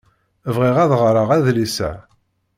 Bɣiɣ ad ɣreɣ adlis-a.